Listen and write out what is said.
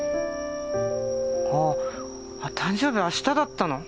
あっ誕生日明日だったの？